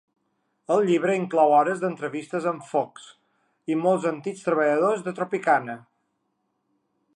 El llibre inclou hores d'entrevistes amb Fox i molts antics treballadors de Tropicana.